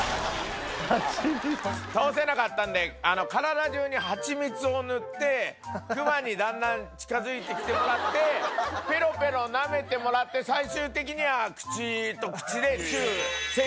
倒せなかったんで体中にはちみつを塗って熊にだんだん近づいて来てもらってペロペロなめてもらって最終的には口と口で。